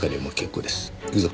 行くぞ。